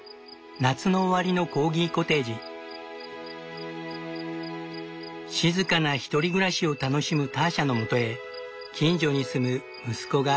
夏の終わりの静かな１人暮らしを楽しむターシャのもとへ近所に住む息子が